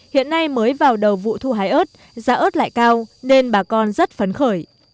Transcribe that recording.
hiện nay mới vào đầu vụ thu hái ớt giá ớt lại cao nên bà con rất phấn khởi